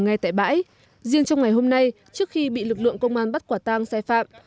ngay tại bãi riêng trong ngày hôm nay trước khi bị lực lượng công an bắt quả tang xe phạm